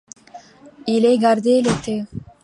Il est gardé l'été.